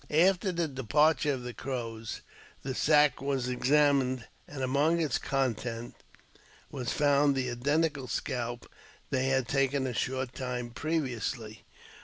After the departure of the Crows, the sack was examined, and among its contents was found the identical scalp they had taken a short time previously.